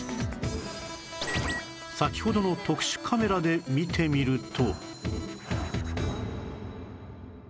先ほどの特殊カメラで見てみると